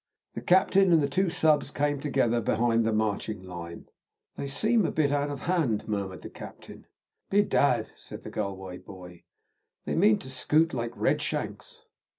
The captain and the two subs. came together behind the marching line. "They seem a bit out of hand," murmured the captain. "Bedad," said the Galway boy, "they mean to scoot like redshanks."